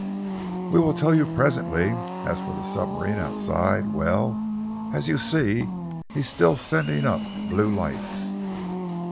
"We will tell you presently. As for the submarine outside, well, as you see, he is still sending up blue lights."